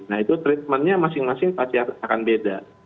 nah itu treatmentnya masing masing pasti akan beda